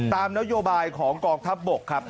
ตามนโยบายของกองทัพบกครับ